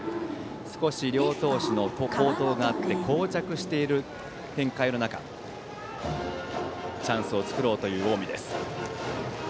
少し両投手の好投があってこう着している展開の中チャンスを作ろうという近江です。